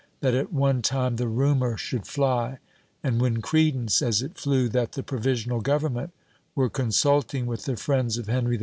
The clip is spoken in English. that at one time the rumor should fly, and win credence as it flew, that the Provisional Government were consulting with the friends of Henry V.